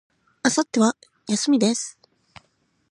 明後日は、休みです。